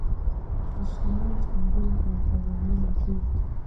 د شمال ځنګلونه او بارانونه ډیر دي.